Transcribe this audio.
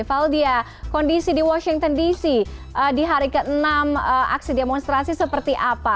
faldia kondisi di washington dc di hari ke enam aksi demonstrasi seperti apa